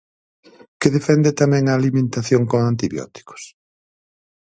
¿Que defende tamén a alimentación con antibióticos?